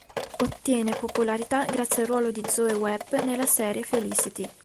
Ottiene popolarità grazie al ruolo di Zoe Webb nella serie "Felicity".